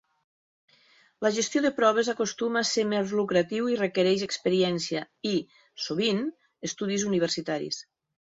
La gestió de proves acostuma a ser més lucratiu i requereix experiència i, sovint, estudis universitaris.